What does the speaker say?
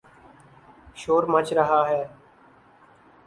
شور مچ رہا ہے۔